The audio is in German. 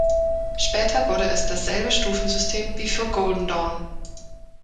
Später wurde es dasselbe Stufensystem wie für Golden Dawn.